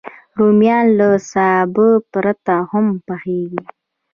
رومیان له سابه پرته هم پخېږي